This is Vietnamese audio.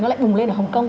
nó lại bùng lên ở hong kong